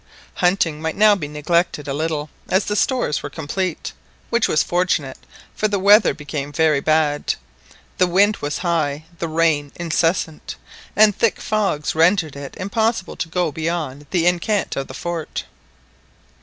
Hunting might now be neglected a little, as the stores were complete, which was fortunate, for the weather became very bad. The wind was high, the rain incessant, and thick fogs rendered it impossible to go beyond the enceinte of the fort.